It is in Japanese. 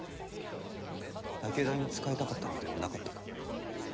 武田に仕えたかったのではなかったか。